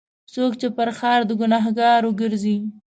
څوک چې پر ښار د ګناهکارو ګرځي.